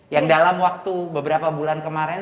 yang dalam waktu beberapa bulan kemarin